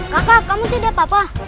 kakak kamu tidak apa apa